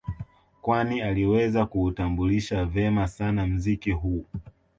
Kwani aliweza kuutambulisha vema sana mziki huu